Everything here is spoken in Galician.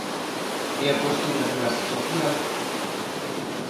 E a cuestión da clase social?